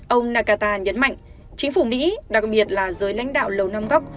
ông nagata nhấn mạnh chính phủ mỹ đặc biệt là giới lãnh đạo lầu năm góc